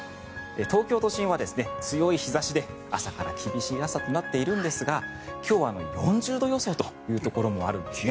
東京都心は強い日差しで朝から厳しい暑さとなっているんですが今日は４０度予想というところもあるんですね。